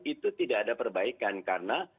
itu tidak ada perbaikan karena